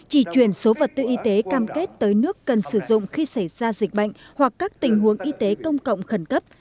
chỉ chuyển số vật tư y tế cam kết tới nước cần sử dụng khi xảy ra dịch bệnh hoặc các tình huống y tế công cộng khẩn cấp